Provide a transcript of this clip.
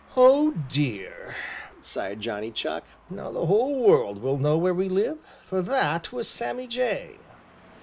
"Oh, dear," sighed Johnny Chuck, "now the whole world will know where we live, for that was Sammy Jay."